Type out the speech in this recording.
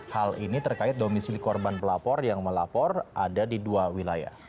hal ini terkait domisili korban pelapor yang melapor ada di dua wilayah